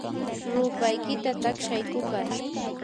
rupaykita taqshay kupar.